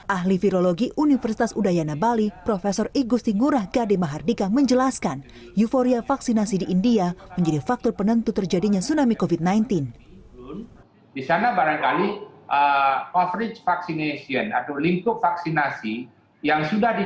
ahli virologi universitas udayana bali prof igusti ngurah gade mahardika menjelaskan euforia vaksinasi di india menjadi faktor penentu terjadinya tsunami covid sembilan belas